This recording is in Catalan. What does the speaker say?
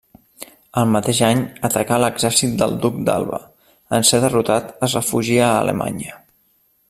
El mateix any atacà l'exèrcit del duc d'Alba, en ser derrotat es refugia a Alemanya.